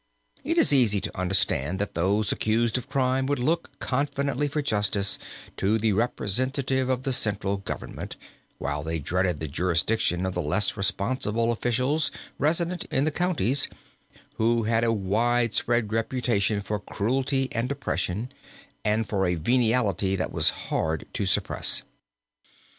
It is easy to understand that those accused of crime would look confidently for justice to the representative of the central government, while they dreaded the jurisdiction of the less responsible officials resident in the counties, who had a wide spread reputation for cruelty and oppression, and for a venality that it was hard to suppress.